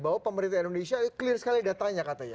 bahwa pemerintah indonesia clear sekali datanya katanya